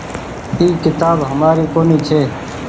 اي ڪيتآب همآري ڪونيٚ ڇي